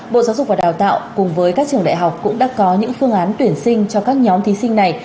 bộ giáo dục và đào tạo cùng với các trường đại học cũng đã có những phương án tuyển sinh cho các nhóm thí sinh này